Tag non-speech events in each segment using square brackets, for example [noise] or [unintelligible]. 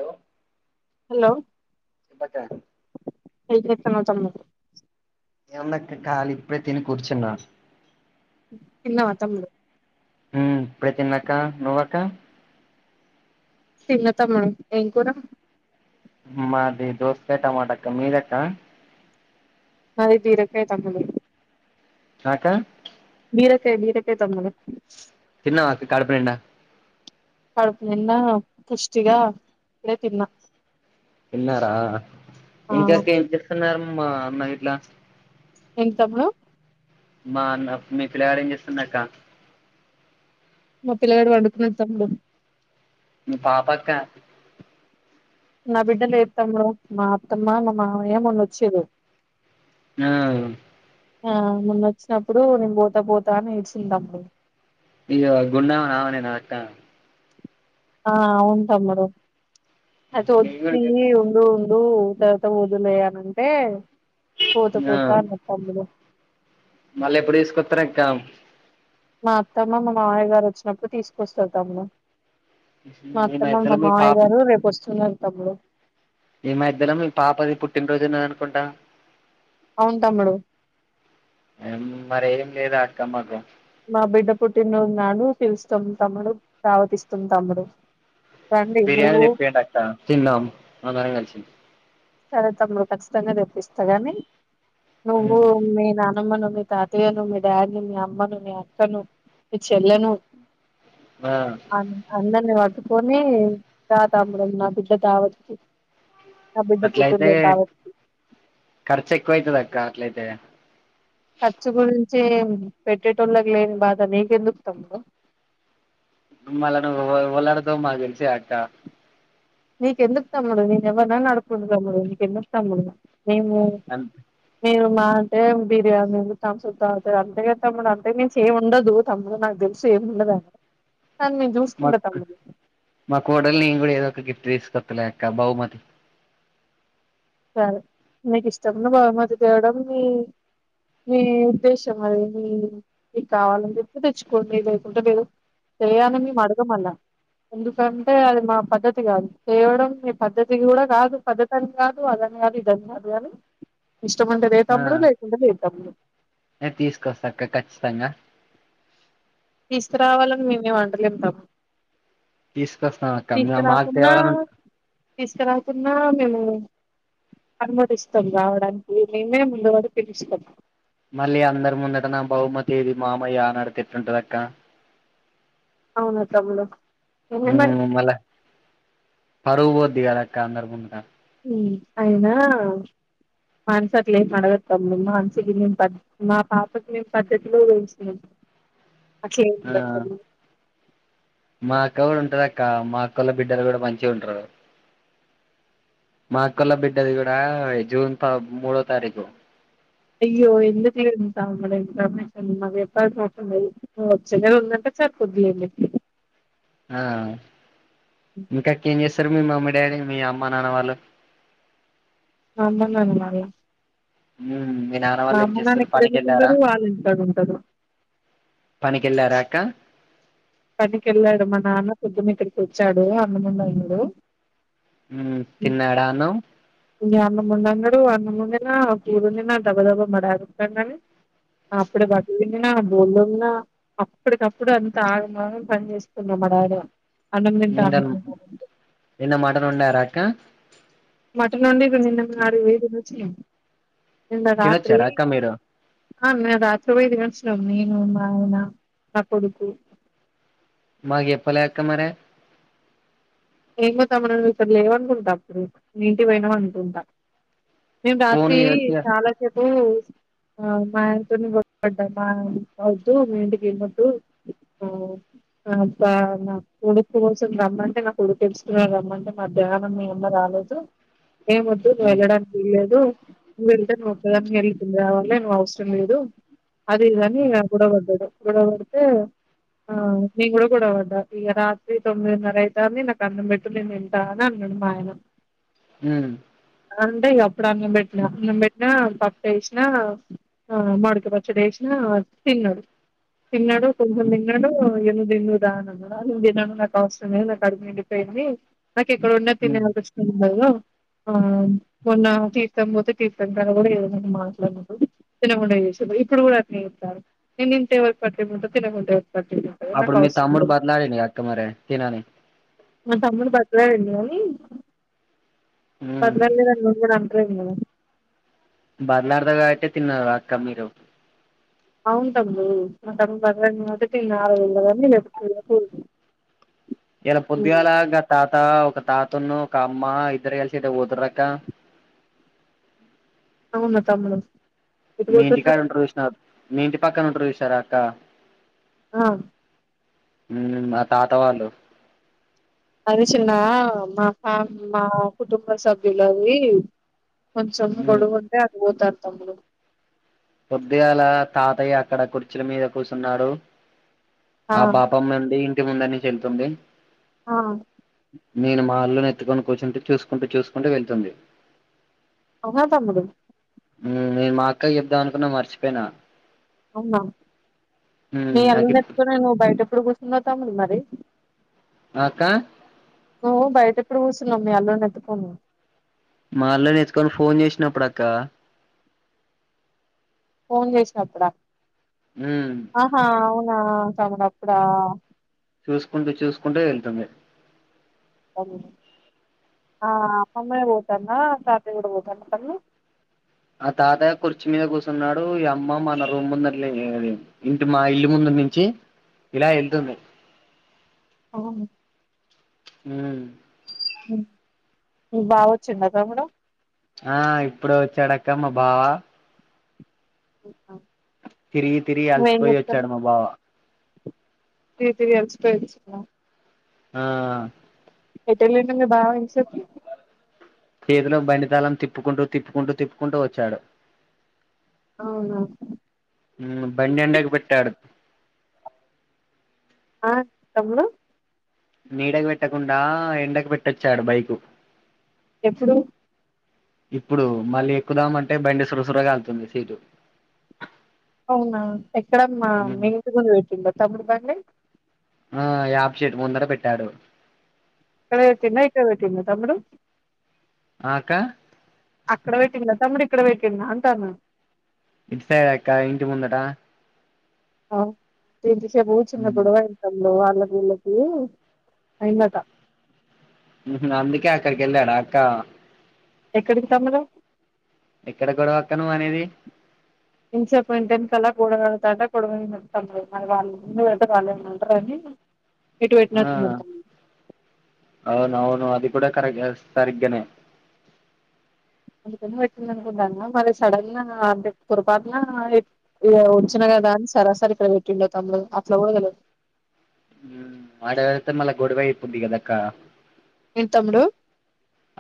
Hello hello చెప్పక్క ఏంచేస్తున్నావు తమ్ము ఏముందక్క ఖాళీ ఇప్పుడే తిని కూర్చున్నా తిన్నావా తమ్ముడు హ్మ్ ఇప్పుడె తిన్నక్క నువ్వక్క తిన్న తమ్ము మ ఎంకురా మాది దోస టమాట అక్క మీదక్క మాది బీరకాయ తమ్ముడు కాకా బీరకాయ బీరకాయ తమ్న తిన్నావా అక్కా కడుపునిండా కడుపు నిన్న పుష్టిగా ఇప్పు డే తిన్నా తిన్నారా ఆ ఇంతకీ ఏం చెస్తున్నారు ఆమ అన్నా గిట్ల ఏం తమ్ముడు మా అన్న మీ పిలగాడు ఏం చేస్తుండు అక్క మా పిల్లగాడు వండుకున్న తమ్ముడు మీ పాపాక్క నా బిడ్డ లేదు తమ్ముడు మా అత్తమ్మ మా మామయ్య మొన్న వచ్చిరూ ఆ ఆ మొన్న వచ్చినప్పుడూ నేను పోత పోత అని ఏడ్చింది తమ్ముడు ఇ గువ గుండు ఆమె ఆమె నా అక్క ఆ ఉంటా మరి అది నేను కూడా వచ్చింది ఉండు పుడు తరువాత పొదువులే అనినంటే ఆ మళ్ళీ ఎప్పుడు తీసుకొస్తార అక్క మా అత్తమ్మ మా మావయ్య గారు వచ్చినప్పుడు తీసుకొస్త తమ్ముడు మా ఈ అత్తమ మధ్యలో మా మీ మాయ పాప గారు రేపు వస్తున్నారు తమ్ముడు ఈ మధ్యలొ మీ పాపది పుట్టిన్ రోజు ఉన్నది అనుకుంటా అవును తమ్ముడు మరేం లేదా కమ్మాకు మా బిడ్డ పుట్టిన రోజునాడు పిలుస్తం తమ్ముడు దావతిస్తాం తమ్ముడు రండి బిర్యానీ నువ్వు తెప్పియండి అక్క తిందాం అందరం కలిసి సరే తమ్ముడు ఖచ్చితంగా తెప్పిస్తా గాని నువ్వో నేనా అన్నను మీ తాతయ్యను మీ డాడీనీ మీ అమ్మను మీ అక్కను మీ చెల్లెను ఆ అ అందర్నీ పట్ పోనీ రా తమ్ముడు నా బిడ్డ దావత్ కి బిడ్డ అట్లయితే పుట్టినరోజు ఖర్చు ఎక్కువైతది అక్క ఎట్ల అయితే ఖర్చు గురించి పెట్టేటోళ్ళకి లేని బాధ నీకెందుకు తమ్ముడు మల్ల నువ్వు ఎవరు ఎవరిని అడుగుతావు మాకు తెలుసు కదా అక్క నీకెందుకు తమ్ముడు నేను ఎవ్వరనన్నా అడుక్కుంటా తమ్ముడు నీకు ఎందుకు తమ్ముడు మేము మీరు మా అంటే బిర్యానీ తంసప్ తాగుతరు అంతేగా తమ్ముడు అంతకుమించి ఏమి ఉండదు తమ్ముడు నాకు తెలుసు ఏమి ఉండదనీ మా మా కోడల్ నేను కూడా ఏదో ఒక గిఫ్ట్ తీసుకో దొరకలె ఆక్క బహుమతి సరే మీకు ఇష్టం ఉన్న బహుమతి తేయడం మీ మీ ఉద్దేశం అది మీ మీకు కావాలని చెప్పి తెచ్చుకోండి లేకుంటే లేదు తేయాలని మేము అడగం అలా ఎందుకంటే అది మా పద్ధతి కాదు తేవడం మీ పద్ధతి కూడా కాదు పద్ధతి అని కాదు నువ్వు అదనికాదు ఇదనికాదు గాని ఇష్టంముంటె తే తమ్ముడు ఆ లేకుంటె లేదు తమ్ముడు తీసుకొస్తా అక్క ఖచ్చితంగా తీసుకురావాలని మీమెం వంటలేము తమ్ముడు తీసుకొస్తాం అక్క మాకు తీసుకురాకున్నా తేవాలని ఉంట తీసుకురాకున్నా మేము అనుమతిస్తాం రావడానికి మేమే ముందువడి పిలుస్తాం మళ్ళీ అందరు ముందట నా బహుమతి ఏది మామయ్య అని అడిగితే ఎట్లుంటది అక్క అవునా తమ్ముడు నిన్నే మరి మల్ల పరువు పోతది ఇది కాదక్క అందరు ముందట అయినా మనసు అట్లేం అడుగది తమ్ముడు మనసుకి మేము పద్ద మా పాపకి మేము పద్ధతిలో వేంచినం అట్లేం ఉండదు ఆ తమ్ముడు మా అక్క కూడా ఉంటది అక్క మా అకోల్ల బిడ్డలు కూడా మంచిగా ఉంటారు మా అకోల్లా బిడ్డది కూడా జూన్ త మూడో తారీకు అయ్యో ఎందుక ఏడుత్త ఉన్నావు ఇన్ఫర్మేషన్ మాకు చెప్పాల్సిన అవసరం లేదు వచ్చలే ఉందంటే సరిపోద్దు ఎందుకకి ఆ ఇంకాక ఏం చేస్త సరే మీ మమ్మీ డాడీ మీ అమ్మ నాన్న వాళ్ళు మా అమ్మ నాన్న మల్ల మ్మ్ మీ నాన్న మా వాళ్ళు ఏం అమ్మ నాన్న చేస్తారు ఇక్కడ పనికి వెళ్ళారా ఎందుకుండరు వాళ్ళ ఇంట్లోనే ఉంటారు ఎల్లరాక్కా పనికెళ్ళాడు మా నాన్న పొద్దునే ఇక్కడికి వచ్చాడు అన్నమొండు అయినాడు మ్మ్ తిన్నరా అన్నం ఇంగ్యా అన్నమొండన్నడు గారు అన్నమొండి కీబొండిన దడబ్బ మా డాడోతండని అప్పుడే బట్టల్ పిండిన బోల్ దోమిన అప్పడికప్పుడు అంత ఆగ మగం పన్జేసుకున్న మా డాడా నిండన్ నిన్న మటన్ వండరాక్క మటన్ ఒండి నిన్న మారు వేదుదున్నాదు చియం తినోచ్చరాక్క మీరు అ మే రాత్రే పోయి తినోచినం. నేను, మాయన, నా కొడుకు మాగి ఎప్పలే అక్క మరె ఏం పోతాం. మనన్ ఇక్కడ్ లేవ అనుకుంటా. అప్పుడు మీ ఇంటిపోనవ్ అనుకుంటా మేం రాత్రి పోనీ వచ్చ చాలా చెప్ ఓ, మాయతోనిపడ్డా మా అవుదు మీ ఇంటికి ఏం వద్దు. ఆ, ఆ బా, నా కొడుకు కోసం రమ్మంటే, నాక్ ప్పుడు తెలుసుకున్నా రమ్మంటే మాధ్యానం మీ అమ్మ రాలేదు ఏమొద్దు నువెల్లడానికి విళ్లేదు వెళ్తే నువ్వు ఒక్కదానివేళ్ళి తిన్రావళి లే నువ్వు అవసరం లేదు అది ఇది అని ఆ గొడవపడ్డాడు గొడవ పడితే ఆ నేను గూడా గొడవ పడ్డా ఇంగ రాత్రి తొమ్మిదిన్నరై ధర్నీ నాకు అన్నం బెట్టు నేను తింటా అన్ అన్నాడు మా ఆయన హు అంతే ఇంగ అప్ ప్పుడు అన్నం బెట్న అన్నం బెట్నా పప్పేస్నా మామిడిపచ్చడేస్నా తిన్నారు తిన్నాడు కొంచెం దిన్నాడు అయ్యో నువ్వ్ దిందువ్ దా అన్ అన్నడ నేన్ దినను నాకు అవశ్రమేలే కడుప్నిండిపెంది నాక్ ఎక్కడ వున్న తినల్పిస్తుంది గదా ఆ మొన్న తీర్థం పోతే తీర్థం తన కూడా ఎవరధోని మాట్లాడడు తినగుండా ఎస్సీరు ఇప్పుడు కూడా అట్నేతాడు. నేన్ తింటే ఎవరికి పట్టేకుంటది తినకుంటే పట్టింపు ఉంటది నాకు అప్పుడు మీ అవసరం తాముడు లేదు బద్లాడిండు గా అక్క మరే తిన్ అనీ మా తమ్ముడు బద్లాడిండు గానీ మ్మ్ బద్లాడ్ లేదన్ నవ్ కూడా స మే బర్లడదగాట తిన్న రా కమ్మీర అవును తమ్ముడు మా తమ్ముడు పగ మొదటిింద ఆ [unintelligible] [inaudible] ఇలా పొద్దుగాలా గ తాత ఒక తాతను ఒక అమ్మ ఇద్దరు కలిసి ఎటు పోతున్నారు అక్క అవునా తమ్ముడు ఎటు మీ ఇంటికాడా పోతున్నారు ఉంటారు విష్ మీ ఇంటి పక్కన ఉంటారు చూశారా అక్క ఆ ఉ మా తాత వాళ్ళు అని చిన మా ఫ్యా మా కుటుంబ సభ్యులు అవి కొంచసం గడుగు అందే అదితది తప్పుడు కొద్దిగాల తాతయ్య అక్కడ కుర్చీల మీద కూర్చున్నాడు ఆ పాపమ్మ అండి ఇంటి ముందు నుంచి చెళ్తుంది ఆ నేను మాల్లోని ఎత్తుకొని కూర్చుంటే చూసుకుంటే చూసుకుంటే వెళ్తుంది అహ తమ్ముడు మ్ నేను మా అక్కా చెప్దాం అనుకున్నా మర్చిపోయినా అవునా మీ నాకు అందరితో నేను బయట ఇప్పుడు కూస నతా ఉండు మరి ఆ ఆక్క ఇప్పుడు ఊసున్నామ అలోన ఎత్పోం మాళ న ఎచ్చుకొని ఫోన్ చేసినప్పుడు అక్క ఫోన్ చేసా అప్పుడ ఆహా అవునా మ అప్పుడా చూసుకుంటే చూసుకుంటే వెళ్తుంది అ మమ్మ పోతన్నా చట కూడాడ పోతన్నా ఆ తాత కుర్చి మీద కూర్చున్నాడు ఈ అమ్మ మన రూమ్ ముంద ఇంటి మా ఇల్లు ముందు నుంచి ఇలా వెళ్తుంది అవును ఉమ్ ఓ బాగా వచ్చింది తమ్ముడు ఆ ఇప్పుడు వచ్చాడక్కమ్మా బావా ఓహ తిరిగి తిరిగి అలసిపోయి వచ్చాడు మా బావ తిరిగి తిరిగి అలసిపోయి వచ్చిండా ఆ ఎటు వెళ్లాడు మీ బావ ఇంతసేపు చేతిలో బండితాళం తిప్పుకుంటూ తిప్పుకుంటూ తిప్పుకుంటూ వచ్చాడు అవునా ఉ బండి ఎండకి పెట్టాడు ఆ తమ్ముడు నీడకు పెట్టకుండా ఎండకు పెట్టొచ్చాడు బైకు ఎప్పుడు ఇప్పుడు మళ్ళీ ఎక్కుదామంటే బండి సురసుర కాలుతుంది సీటు అవునా ఎక్కడ మా మీ ఇంటి ముందు పెట్టిండ తమ్ముడు బండి ఆ యాపా చెట్టు ముందట పెట్టాడు అక్కడ పెట్టిండా ఇక్కడ పెట్టిండా తమ్ముడు ఆ అక్క అక్కడ పెట్టిండా తమ్ముడు ఇక్కడ ఇక్కడ వేట్టిండా అంటన్న ఇటు సైడ్ అక్క ఇంటి ముందట ఆ తె రేపు చిన్న గొడవైంది తమ్ముడు ఇగో అళ్ళకిళ్ళకి అయిందట అందుకే అక్కడికి వెళ్ళాడా అక్క ఎక్కడికి తమ్ముడు ఎక్కడ గొడవ అక్క నువ్వు అనేది ఇంసేపు ఇంటనకాల గోడ కడుతుంటే గొడవైంది తమ్ముడు మరి వాళ్ళ ముందు వెళ్తే వాళ్లేమన్న అంటరని ఇటు పెట్నటున్నారు అవును అవును అది కూడా కరక్టే సరిగ్గనే అందుకని పెట్టింది అనుకుంటాను మరి సడన్ గా అంటే పోరపాటున వచ్చిన కదా అని సరాసరి ఇక్కడ పెట్టిండ తమ్ముడు అట్లా కూడ తెలియదు ఆడ వెడితే మళ్లీ గొడవ అయిపోద్ది కదా అక్క ఎ తమ్ముడు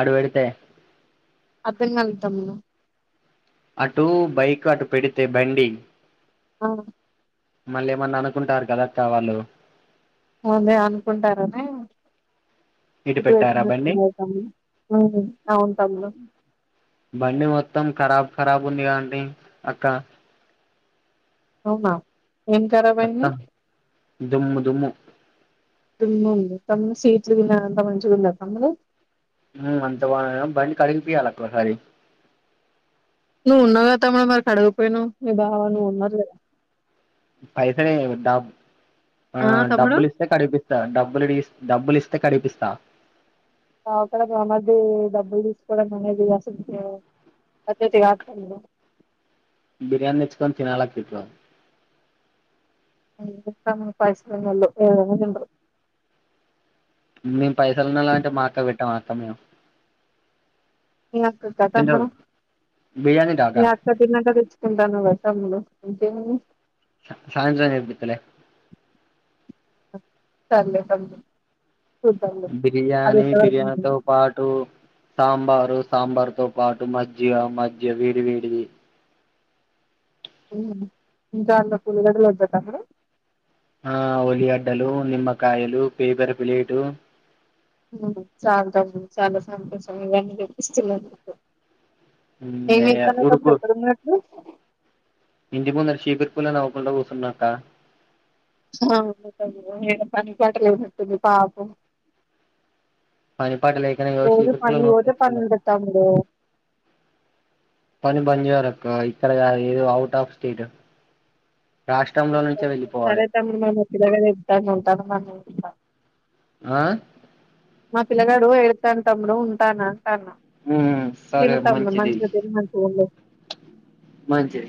అటు పెడితే అర్థం కలే తమ్ముడు అటు బైక్ అటు పెడితే బండి ఆ మళ్ళీ ఏమన్నా అనుకుంటారు కదక్క వాళ్ళు అంది అనుకుంటారని ఇటు పెట్టారా బండి ఇటువైతేవుతా అ ఉంటాము కదా కరాబ్ ఉందిగా అండి అక్క అవునా ఏం ఖరాబ్ అత్త అయింది దుమ్ము దుమ్ము దుమ్ము ఉంది తమ్మి సీట్స్ గిన అంత మంచిగుంద తమ్ముడు ఉమ్ అంత బాగానే ఉంది బండి కడిగి పియాలి అక్క ఓసారి నువ్వు ఉన్నావుగా తమ్ముడు మరి కడగకపోయినవ్ మీ బావా నువు ఉన్నారు లే పైసా [unintelligible] ఆ డబ్బులిస్తే కడిగిపిస్తా డబ్బులు డబ్బులు ఇస్తా త కడిపిస్తా ఓఅక్క దగ్గర మర్ది డబ్బులు తీసుకోవడం అనేది అసలు పద్దతి కాదు బిర్యానీ తెచ్కోని తినాల అప్పిట్లో [unintelligible] పైసలున్నోళ్లు ఏదైనా తింట్టారు మేము పైసలు ఉన్నాయా అంటే మా అక్కకు పెట్టాం మా అక్క మేము మీ అక్కకొ తింటాం తమ్ముడు బిర్యానీ మీ డాకా అక్క తినకె తెచ్చుకుంట అన్నావ్ గదా తమ్ములు అంటే ఏమి సాయంత్రం చేపితాలే [unintelligible] అది బిర్యానీ ఎంత వరకు బిర్యానీ తో నిజమో పాటు సాంబారు సాంబార్ తో పాటు మజ్జిగ మజ్జిగ వేడి వేడివి మ్ ఇంకా అలా పులిల దగ్గరే వద్ద తమ్ముడు ఆ ఉల్లిగడ్డలు నిమ్మకాయలు పేపర్ ప్లేటు హుమ్ చాలా చాలా సంతోషంగా అనిపిస్తవునది [unintelligible] ఏం జెస్తా ఉన్నావ్ తమ్ముడు ఉడుకు ఎక్కడ ఉన్నావ్ ఇప్పుడు ఇంటి ముందు సిపూర్రూపుల్ నవకుండ కుసన్నాక్క హ మొత్తమ్ పని పాట లేనట్టుంది పాపం పనిపాటి లేకనేగా రోజు సిపూర్ పుల్ల పనికి నోట్లో పోతే పని వేసుకున్న ఉంటది తమ్ముడు అవును పని బంద్ చేయారు క్క ఇక్కడ గాదు ఏదో అఔట్ ఆఫ్ స్టేట్ రాష్ట్రంలో నుంచే వెళ్ళిపోవాలి సరే తమ్ముడు మాక్ చెప్పినవ్ కాద ఇతము ఉంటాను మ ఆ మా పిల్లగాడు ఏడుతండు తమ్ముడు ఉంటానా తానా ఉ తిను సరే తమ్ముడు మంచిది మంచిగా తిను మంచిగా ఉండు మంచిది